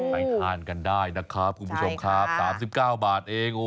ทานกันได้นะครับคุณผู้ชมครับ๓๙บาทเอง